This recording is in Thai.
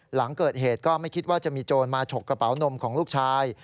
หลังเกิดเหตุก็ไม่คิดว่าจะมีโจรมาฉกกระเป๋านมของลูกชาย